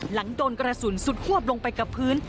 หลังโดนกระสุนสุดควบลงไปกับพื้น